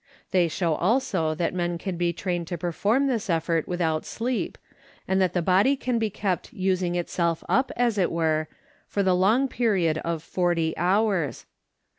They show also that men can be trained to perform this effort without sleep, and that the body can be kept using itself up, as it were, for the long period of 40 hours.